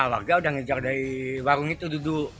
warga udah ngejar dari warung itu duduk